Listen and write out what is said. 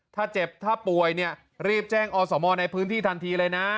ถ้าเจ็บถ้าป่วยเนี่ยรีบแจ้งอสมในพื้นที่ทันทีเลยนะ